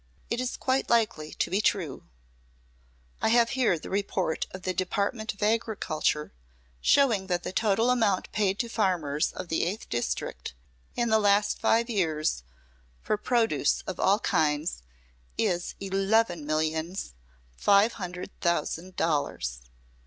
It is quite likely to be true. I have here the report of the Department of Agriculture showing that the total amount paid to farmers of the eighth district in the last five years, for produce of all kinds, is eleven millions, five hundred thousand dollars."